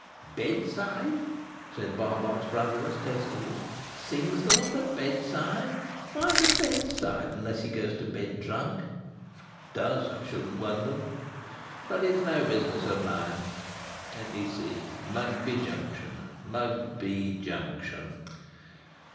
"Bedside?" said Barbox Brothers, testily. "Sings them at the bedside? Why at the bedside, unless he goes to bed drunk? Does, I shouldn't wonder. But it's no business of mine. Let me see. Mugby Junction, Mugby Junction.